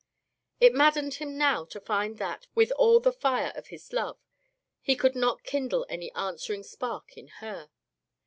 It maddened him now to find that, with all the fire of his love, he could not kindle any answering spark in her.